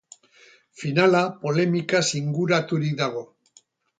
Finala polemikaz inguraturik dago.